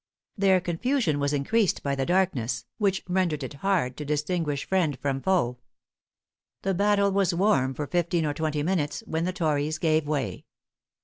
Their confusion was increased by the darkness, which rendered it hard to distinguish friend from foe. The battle was warm for fifteen or twenty minutes, when the tories gave way.